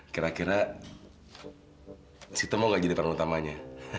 kira kira sita mau nggak jadi perang utamanya